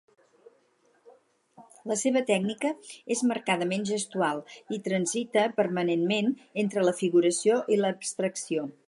La seva tècnica és marcadament gestual i transita permanentment entre la figuració i l'abstracció.